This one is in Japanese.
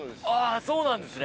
そうなんですね。